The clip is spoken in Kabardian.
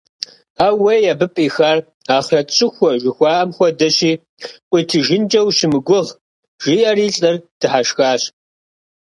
Аууей, абы пӀихар ахърэт щӀыхуэ жыхуаӀэм хуэдэщи, къыуитыжынкӀэ ущымыгугъ, – жиӀэри лӀыр дыхьэшхащ.